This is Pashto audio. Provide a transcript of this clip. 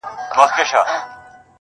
قهر د شینکي اسمان ګوره چي لا څه کیږي٫